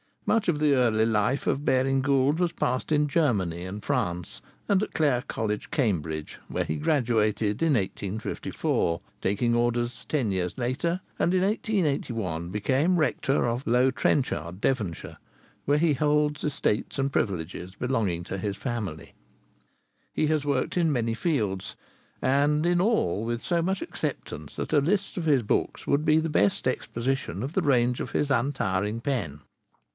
Much of the early life of Baring Gould was passed in Germany and France, and at Clare College, Cambridge, where he graduated in 1854, taking orders ten years later, and in 1881 becoming rector of Lew Trenchard, Devonshire, where he holds estates and privileges belonging to his family. He has worked in many fields, and in all with so much acceptance that a list of his books would be the best exposition of the range of his untiring pen.